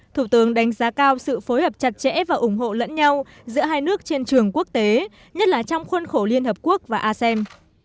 thủ tướng đánh giá cao sự phối hợp chặt chẽ và ủng hộ lẫn nhau giữa hai nước trên trường quốc tế nhất là trong khuôn khổ liên hợp quốc và asem